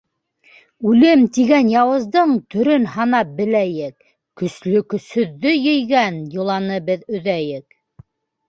Үлем тигән яуыздың төрөн һанап беләйек, көслө көсһөҙҙө ейгән йоланы беҙ өҙәйек.